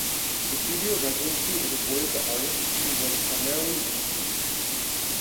The studio residency is awarded to artists who work primarily in paint.